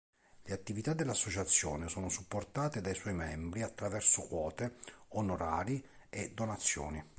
Le attività dell'Associazione sono supportate dai suoi membri attraverso quote, onorari e donazioni.